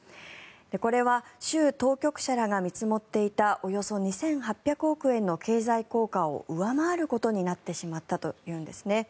これは州当局者らが見積もっていたおよそ２８００億円の経済効果を上回ることになってしまったというんですね。